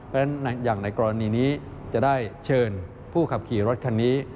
เพราะฉะนั้นอย่างในกรณีนี้จะได้เชิญผู้ขับขี่รถคันนี้